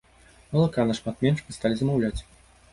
Малака нашмат менш мы сталі замаўляць.